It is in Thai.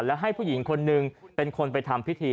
แล้วให้ผู้หญิงคนนึงเป็นคนไปทำพิธี